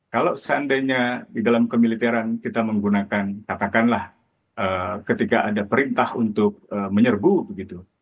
kalau seandainya di dalam kemiliteran kita menggunakan katakanlah ketika ada perintah untuk menyerbu begitu